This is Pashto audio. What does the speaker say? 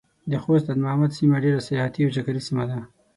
د خوست ادمامد سيمه ډېره سياحتي او چکري سيمه ده.